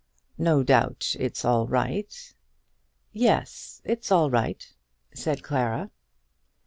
"No doubt it's all right." "Yes; it's all right," said Clara.